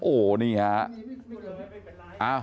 โอ้วนี่ฮะ